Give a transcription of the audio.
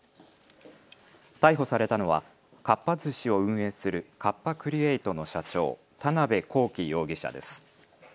逮捕されたのはかっぱ寿司を運営するカッパ・クリエイトの社長、田邊公己容疑者です。